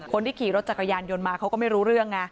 คนที่ขี่รถจักรยานยนต์มาเขาก็ไม่รู้เรื่องไง